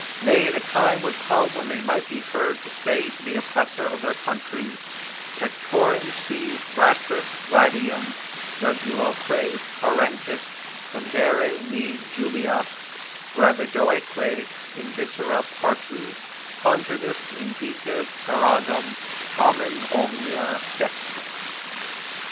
Nay, the time would come when they might be heard to say to the oppressor of their country: Pectore si fratris gladium juguloque parentis Condere me jubeas, gravidoeque in viscera partu Conjugis, in vita peragam tamen omnia dextra.